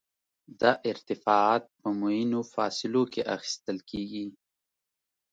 دا ارتفاعات په معینو فاصلو کې اخیستل کیږي